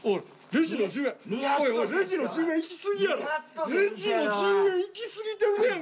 レジの１０円いきすぎてるやん。